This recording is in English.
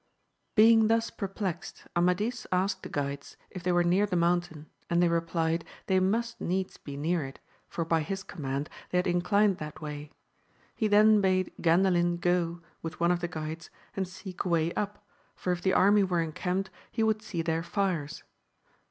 Being thus perplexed, Amadis asked the guides if they were near the mountain, and they replied they must needs be near it, for by his command they had inclined that way; he then bade Gandalin go, with one of the guides, and seek a way up, for if the army were encamped he would see their fires.